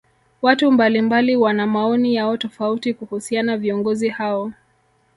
watu mbalimbali wana maoni yao tofauti kuhusiana viongozi hao